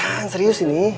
enggak serius ini